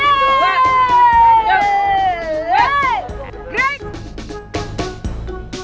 aduh aduh aduh